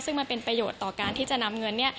ซึ่งมันเป็นประโยชน์ต่อการที่จะนำเงิน